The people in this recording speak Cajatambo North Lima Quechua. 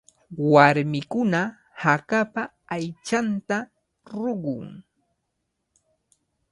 Warmikuna hakapa aychanta ruqun.